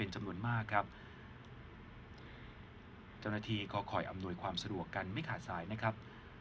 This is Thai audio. เจ้าหน้าทีก่อคอยอำนวยความสะดวกกันไม่ขาดสายนะครับ